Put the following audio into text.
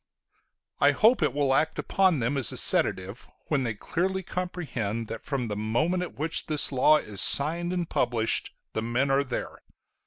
I hope it will act upon them as a sedative when they clearly comprehend that from the moment at which this law is signed and published the men are there.